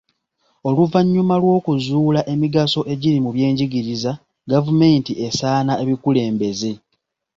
Oluvannyuma lw'okuzuula emigaso egiri mu byenjigiriza, gavumenti esaana ebikulembeze.